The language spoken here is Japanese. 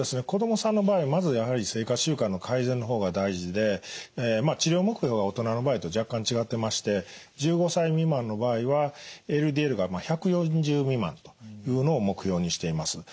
子どもさんの場合まずやはり生活習慣の改善の方が大事で治療目標が大人の場合と若干違ってまして１５歳未満の場合はＬＤＬが１４０未満というのを目標にしています。